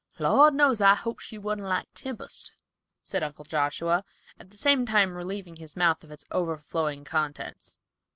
"Lord knows, I hope she wan't like Tempest," said Uncle Joshua, at the same time relieving his mouth of its overflowing contents.